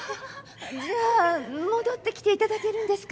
じゃあ戻って来ていただけるんですか？